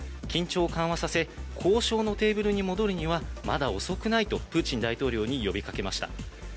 緊張を緩和させ、交渉のテーブルに戻るには、まだ遅くないと、プーチン大統領に呼びかけました。